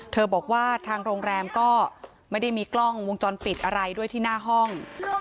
บอกว่าทางโรงแรมก็ไม่ได้มีกล้องวงจรปิดอะไรด้วยที่หน้าห้อง